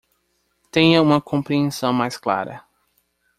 Tenha uma compreensão mais clara